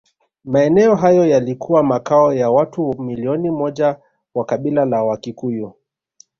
Maeneo hayo yalikuwa makao ya watu milioni moja wa kabila la Wakikuyu